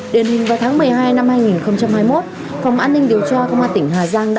đền hình vào tháng một mươi hai năm hai nghìn hai mươi một phòng an ninh điều tra công an tỉnh hà giang